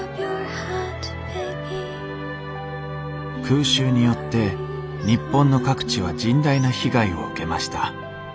空襲によって日本の各地は甚大な被害を受けました。